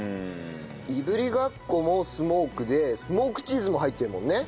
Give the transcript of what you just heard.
いぶりがっこもスモークでスモークチーズも入ってるもんね。